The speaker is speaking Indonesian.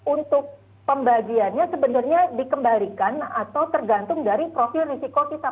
untuk pembagiannya sebenarnya dikembalikan atau tergantung dari profil risiko kita